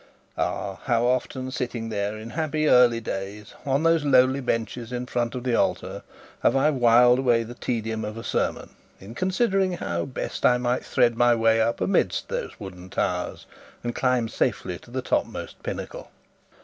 Ah! How often sitting there, in happy early days, on those lowly benches in front of the altar, have I whiled away the tedium of a sermon considering how best I might thread my way up amidst those wooden towers, and climb safely to the topmost pinnacle!